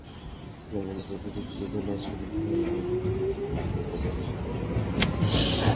কল্পনার সেই তেজস্বী চেতনা আজকের দিনের পাহাড়ি নারীদের মধ্যেও সঞ্চারিত হয়েছে।